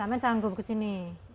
sama sama sanggup kesini